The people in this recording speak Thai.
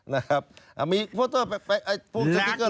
นะครับมีพวกเธอสติ๊กเกอร์ไลน์นี่คือ